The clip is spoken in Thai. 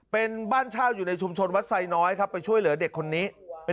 เป็นบ้านเช่าอยู่ในชุมชนวัดไซน้อยครับไปช่วยเหลือเด็กคนนี้